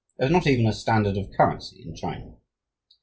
There is not even a standard of currency in China.